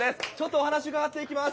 お話を伺っていきます。